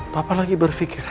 papa lagi berfikir